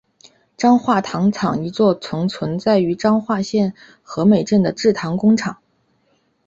彰化糖厂一座曾存在于彰化县和美镇的制糖工厂。